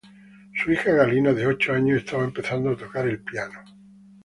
Sus hija Galina de ocho años estaba empezando a tocar el piano.